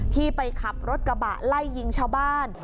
ที่ไปขับรถกระบะไล่ยิงชาวบ้าน